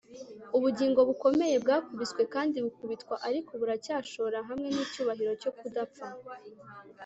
Ubugingo bukomeye bwakubiswe kandi bukubitwa ariko buracyashora hamwe nicyubahiro cyo kudapfa